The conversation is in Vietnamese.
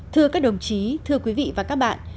thưa các đồng chí thưa quý vị và các bạn